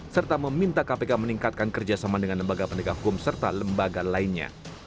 serta meminta kpk meningkatkan kerjasama dengan lembaga penegak hukum serta lembaga lainnya